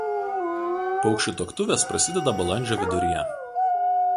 Paukščių tuoktuvės prasideda balandžio viduryje.